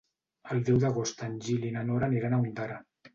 El deu d'agost en Gil i na Nora aniran a Ondara.